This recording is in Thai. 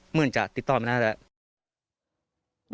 เหมือนจะติดต่อมาน่าจะ